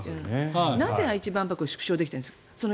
なぜ愛知万博は縮小できたんですか。